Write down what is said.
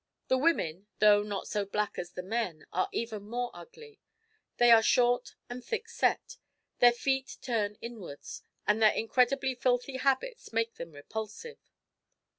The women, though not so black as the men, are even more ugly. They are short and thick set; their feet turn inwards, and their incredibly filthy habits make them repulsive.